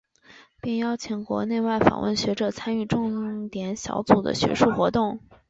并邀请国内外访问学者参与重点小组的学术活动。